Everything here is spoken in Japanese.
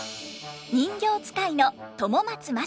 人形遣いの友松正人さん。